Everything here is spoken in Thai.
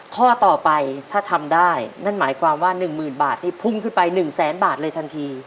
ข้อต่อไปถ้าทำได้นั่นหมายความว่า๑๐๐๐บาทนี่พุ่งขึ้นไป๑แสนบาทเลยทันที